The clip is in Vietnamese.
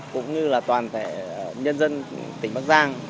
cũng như là toàn thể nhân dân tỉnh bắc giang